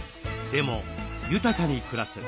でも豊かに暮らす。